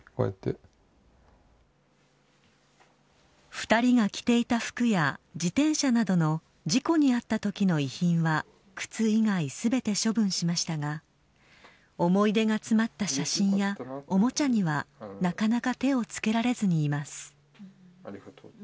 ２人が着ていた服や、自転車などの事故に遭ったときの遺品は、靴以外すべて処分しましたが、思い出が詰まった写真や、おもちゃにはなかなか手を付けられずにいます。